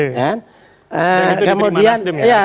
itu diterima nasdem ya